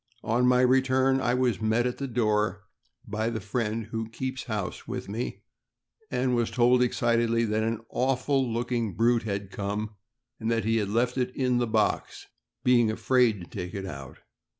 On my return, I was met at the door by the friend who "keeps house" with me, and was told excitedly that an "awful looking brute had come, and that he had left it in the box, being afraid to take it out."